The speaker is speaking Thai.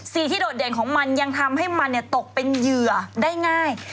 ที่โดดเด่นของมันยังทำให้มันตกเป็นเหยื่อได้ง่าย